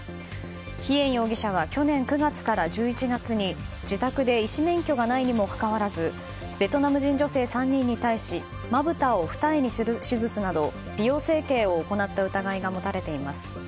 ヒエン容疑者は去年９月から１１月に自宅で医師免許がないにもかかわらずベトナム人女性３人に対しまぶたを二重にする手術など美容整形を行った疑いが持たれています。